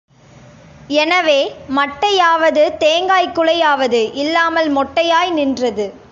எனவே மட்டையாவது தேங்காய் குலையாவது இல்லாமல் மொட்டையாய் நின்றது.